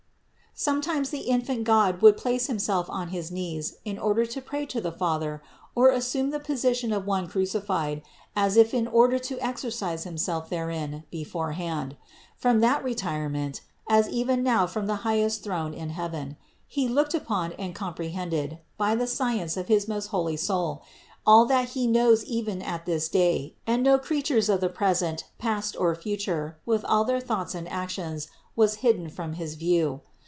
Sometimes the infant God would place Himself on his knees in order to pray to the Father or assume the position of one cru cified, as if in order to exercise Himself therein before hand. From that retirement (as even now from the highest throne in heaven) He looked upon and compre hended, by the science of his most holy soul, all that He knows even at this day, and no creatures of the present, past, or future, with all their thoughts and actions, was hidden from his view.